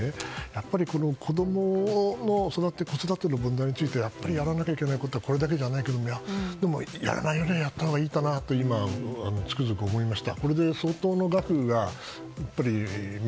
やっぱり子供の子育ての問題についてはやらないといけないことはこれだけじゃないけどやらないよりはやったほうがいいかなと今、つくづく思いました。